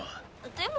でも。